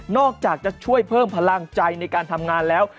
อกจากจะช่วยเพิ่มพลังใจในการทำงานแล้ว